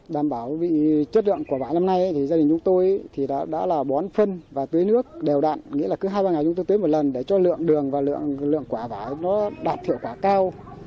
đảm bảo chất lượng quả vải năm nay gia đình chúng tôi đã bón phân và tưới nước đều đặn nghĩa là cứ hai ba ngày chúng tôi tưới một lần để cho lượng đường và lượng quả vải đạt thiệu quả cao